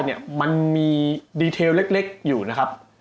แล้วตอนนี้มันมีดีเทลเล็กอยู่นะครับ